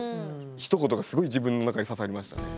ひと言がすごい自分の中に刺さりましたね。